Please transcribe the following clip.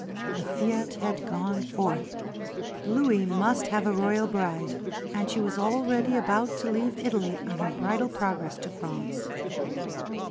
The fiat had gone forth. Louis must have a Royal bride; and she was already about to leave Italy on her bridal progress to France.